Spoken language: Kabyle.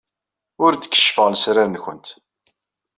Ur d-keccfeɣ lesrar-nwent.